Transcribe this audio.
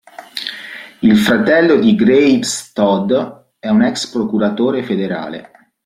Il fratello di Graves, Todd, è un ex procuratore federale.